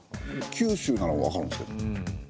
九州ならわかるんですけど。